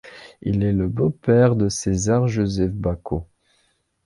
Il est le beau-père de César-Joseph Bacot.